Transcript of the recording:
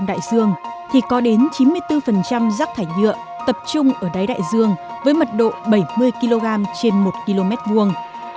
một rắc thải nhựa tập trung ở đáy đại dương với mật độ bảy mươi kg trên một km vuông